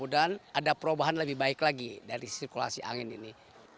mudah mudahan ada perubahan lebih baik lagi dari sirkulasi angin ini